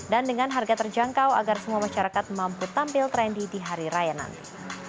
dan dengan harga terjangkau agar semua masyarakat mampu tampil trendy di hari raya nanti